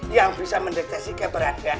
yang bisa mendeteksi keberadaan